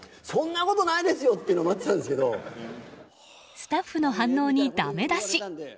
スタッフの反応にダメ出し。